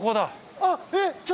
あっえっ